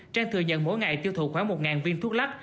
trang thừa nhận mỗi ngày tiêu thụ khoảng một viên thuốc lắc